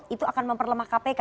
itu akan memperlemah kpk